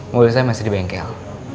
mobil saya masih di bengkel